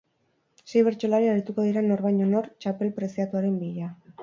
Sei bertsolari arituko dira nor baino nor, txapel preziatuaren bila.